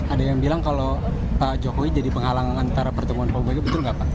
ada yang bilang kalau pak jokowi jadi penghalang antara pertemuan pak bega betul nggak pak